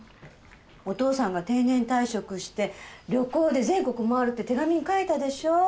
お父さんが定年退職して旅行で全国回るって手紙に書いたでしょ？